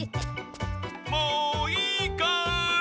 もういいかい？